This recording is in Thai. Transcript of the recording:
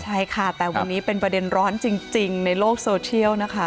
ใช่ค่ะแต่วันนี้เป็นประเด็นร้อนจริงในโลกโซเทียลนะคะ